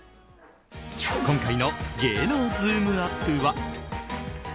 今回の芸能ズームＵＰ！は。